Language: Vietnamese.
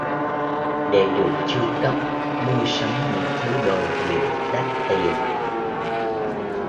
Để được chu cấp mua sắm những thứ đồ hiệu đắt tiền